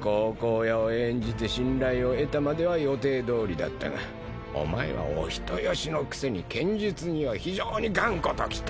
好々爺を演じて信頼を得たまでは予定どおりだったがお前はお人よしのくせに剣術には非常に頑固ときた。